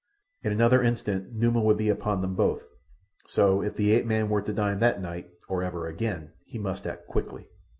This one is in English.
In another instant Numa would be upon them both, so if the ape man were to dine that night, or ever again, he must act quickly.